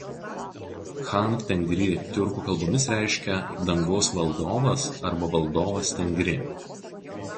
Chan Tengri tiurkų kalbomis reiškia „dangaus valdovas“ arba „valdovas Tengri“.